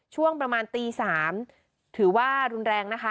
ช่วงประมาณตี๓ถือว่ารุนแรงนะคะ